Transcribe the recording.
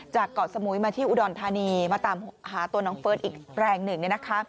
เกาะสมุยมาที่อุดรธานีมาตามหาตัวน้องเฟิร์สอีกแรงหนึ่ง